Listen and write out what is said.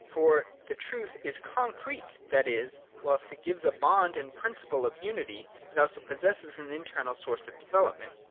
For the truth is con crete ; that is, whilst it gives a bond and principle of unity, it also possesses an internal source of develop ment.